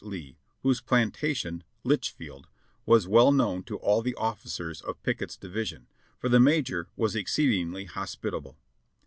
Lee, whose plantation, "Litchfield," was well known to all the officers of Pickett's division, for the Major was exceedingly hospitable.